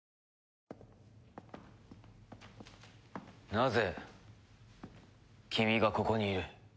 なぜ君がここにいる？